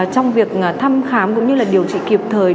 trong việc thăm khám cũng như là điều trị kịp thời